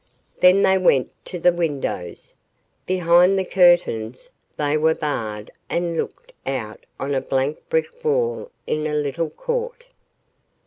Then they went to the windows. Behind the curtains they were barred and looked out on a blank brick wall in a little court.